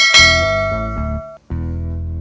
gak mau tau